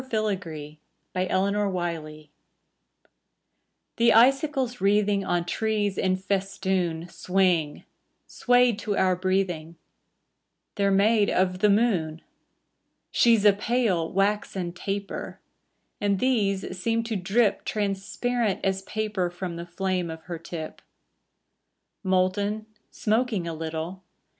SILVBR FILAGREE The icicles wreathing On trees in festoon Swing, swayed to our breathing: They're made of the moon. • She's a pale, waxen taper; And these seem to drip Transparent as paper From the flame of her tip. Molten, smoking a little.